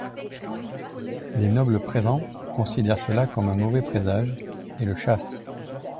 Les nobles présents considèrent cela comme un mauvais présage et le chassent.